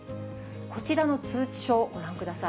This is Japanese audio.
こちらの通知書、ご覧ください。